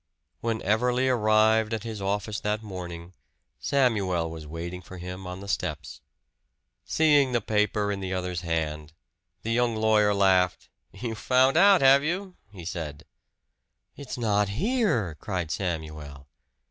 When Everley arrived at his office that morning, Samuel was waiting for him on the steps. Seeing the paper in the other's hand, the young lawyer laughed. "You found out, have you?" he said. "It's not here!" cried Samuel.